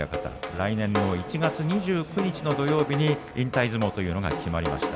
来年の１月２９日の土曜日に引退相撲というのが決まりました。